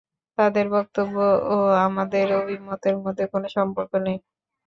তাদের বক্তব্য ও আমাদের এ অভিমতের মধ্যে কোন সম্পর্ক নেই।